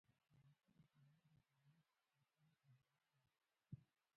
افغانستان د تنوع د ترویج لپاره پروګرامونه لري.